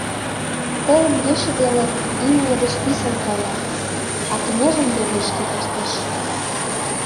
Телым ече дене имне деч писын кая, а кеҥежым йолешке коштеш.